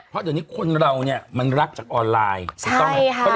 เพราะเดี๋ยวนี้คนเราเนี่ยมันรักจากออนไลน์ถูกต้องไหม